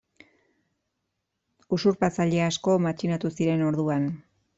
Usurpatzaile asko matxinatu ziren orduan.